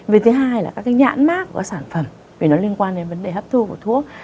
vì thứ hai là các nhãn mát của sản phẩm vì nó liên quan đến vấn đề hấp thu của thuốc